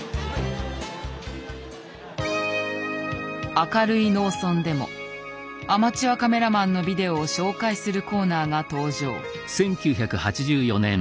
「明るい農村」でもアマチュアカメラマンのビデオを紹介するコーナーが登場。